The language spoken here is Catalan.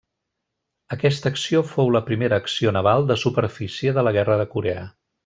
Aquesta acció fou la primera acció naval de superfície de la Guerra de Corea.